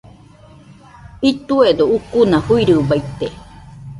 Illetuedo ucuna fɨirɨbaite.